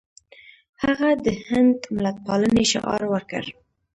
هغه د هند ملتپالنې شعار ورکړ.